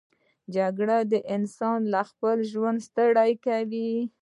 جګړه انسان له خپل ژوند ستړی کوي